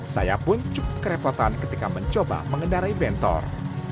saya pun cukup kerepotan ketika mencoba mengendarai bentor